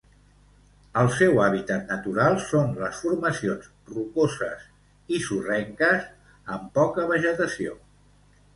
El seu hàbitat natural són les formacions rocoses i sorrenques amb poca vegetació.